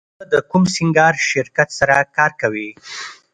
ته د کوم سینګار شرکت سره کار کوې